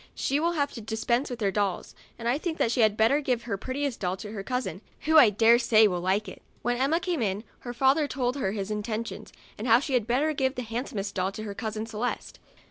She will have to dispense with her dolls, and I think she had better give her prettiest doll to her cousin, who, I dare say, will like it." When Emma came in, her father told her his intentions, and how she had better give the handsom est doll to her cousin Celeste.